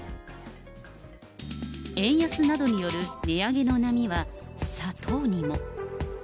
円安などによる値上げの波は砂糖にも。